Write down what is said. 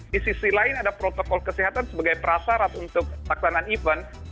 di sisi lain ada protokol kesehatan sebagai prasarat untuk taksanaan event